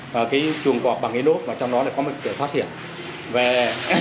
và cái trường vọc bằng inox mà trong đó là có một kiểu thoát hiểm